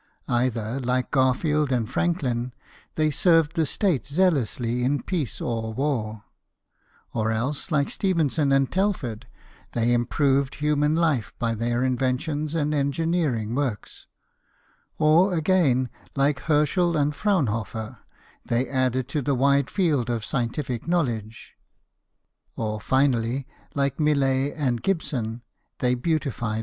Either, like Gar field and Franklin, they served the State zealously in peace or war ; or else, like Stephen son and Telford, they improved human life by their inventions and engineering works ; or, again, like Herschel and Fraunhofer, they added to the wide field of scientific knowledge ; or finally, like Millet and Gibson, they beautified THOMAS EDWARD, SHOEMAKER.